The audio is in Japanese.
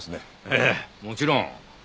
ええもちろん。